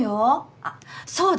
あそうだ！